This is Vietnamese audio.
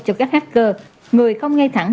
cho các hacker người không ngay thẳng